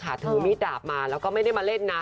พระร้ายเนี่ยค่ะถือมีดดาบมาแล้วก็ไม่ได้มาเล่นนะ